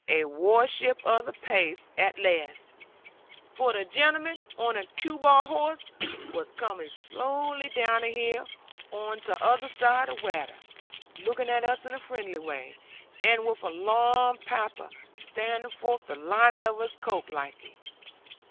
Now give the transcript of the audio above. A warship of the pace, at laste!" 'For a gentleman, on a cue ball horse, was coming slowly down the hill on tother zide of watter, looking at us in a friendly way, and with a long papper standing forth the lining of his coat laike.